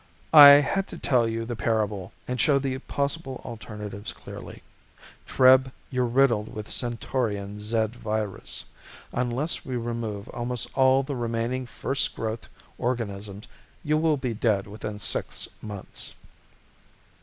"I had to tell you the parable and show the possible alternatives clearly. Treb, you're riddled with Centaurian Zed virus. Unless we remove almost all the remaining first growth organisms you will be dead within six months."